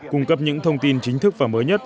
cung cấp những thông tin chính thức và mới nhất